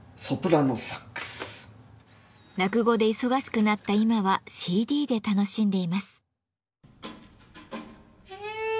落語で忙しくなった今はＣＤで楽しんでいます。